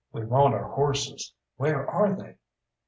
"We want our horses; where are they?"